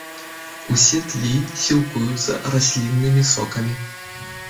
Усе тлі сілкуюцца расліннымі сокамі.